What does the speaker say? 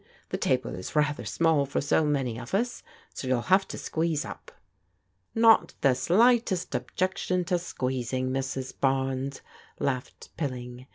The table is rather small for so many of os, so you'll have to squeeze up." " Not the slightest objection to squeezing, Mrs. Barnes," laughed Pilling.